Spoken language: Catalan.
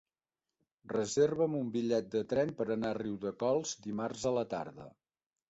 Reserva'm un bitllet de tren per anar a Riudecols dimarts a la tarda.